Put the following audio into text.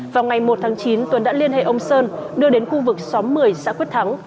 vào ngày một tháng chín tuấn đã liên hệ ông sơn đưa đến khu vực xóm một mươi xã quyết thắng